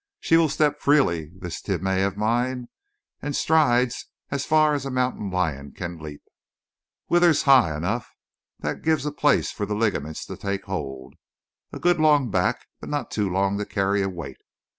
She will step freely, this Timeh of mine, and stride as far as a mountain lion can leap! Withers high enough. That gives a place for the ligaments to take hold. A good long back, but not too long to carry a weight.